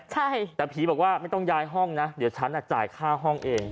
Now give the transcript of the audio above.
ใช่แต่ผีบอกว่าไม่ต้องย้ายห้องนะเดี๋ยวฉันจ่ายค่าห้องเอง